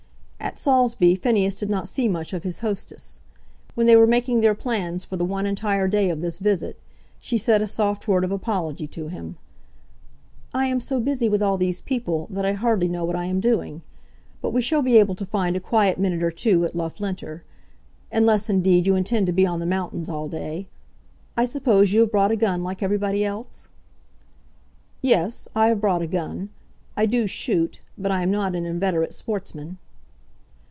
At Saulsby Phineas did not see much of his hostess. When they were making their plans for the one entire day of this visit, she said a soft word of apology to him. "I am so busy with all these people, that I hardly know what I am doing. But we shall be able to find a quiet minute or two at Loughlinter, unless, indeed, you intend to be on the mountains all day. I suppose you have brought a gun like everybody else?" "Yes; I have brought a gun. I do shoot; but I am not an inveterate sportsman."